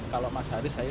kalau mas haris saya sudah